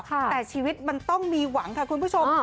แต่ชีวิตมันต้องมีหวังค่ะคุณผู้ชม